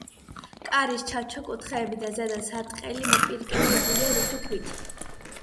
კარის ჩარჩო, კუთხეები და ზედა სარტყელი მოპირკეთებულია რუხი ქვით.